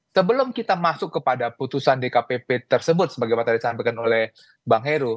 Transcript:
sebelum kita masuk kepada putusan dkpp tersebut sebagaimana disampaikan oleh bang heru